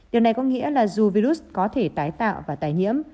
điều này có nghĩa là dù virus có thể tái tạo và tái nhiễm